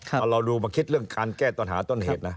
เอาเราดูมาคิดเรื่องการแก้ปัญหาต้นเหตุนะ